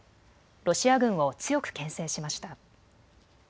ロシア軍を強くけん制しました。